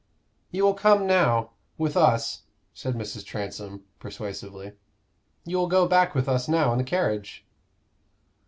"You will come now with us," said Mrs. Transome, persuasively. "You will go back with us now in the carriage."